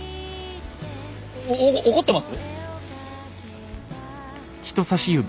お怒ってます？